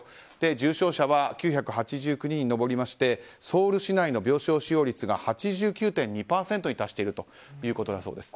重症者は９８９人に上りましてソウル市内の病床使用率が８９．２％に達しているということだそうです。